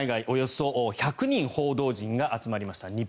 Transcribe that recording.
およそ１００人の報道陣が集まりました。